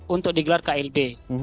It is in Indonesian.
untuk digelar klb